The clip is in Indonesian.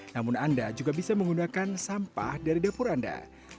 namun anda juga bisa menggunakan sampah dari dapur anda